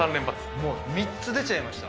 もう３つ出ちゃいました。